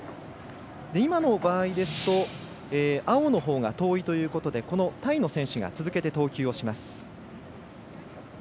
今の場合ですと青のほうが遠いということでタイの選手が続けて投球をします。